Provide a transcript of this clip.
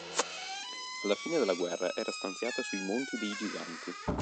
Alla fine della guerra era stanziata sui Monti dei Giganti.